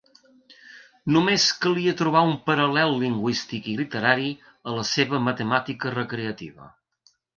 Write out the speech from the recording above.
Només calia trobar un paral·lel lingüístic i literari a la seva "matemàtica recreativa".